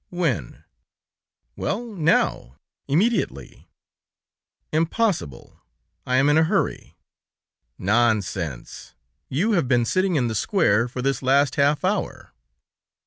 "When?" "Well, now, immediately." "Impossible; I am in a hurry." "Nonsense, you have been sitting in the square for this last half hour."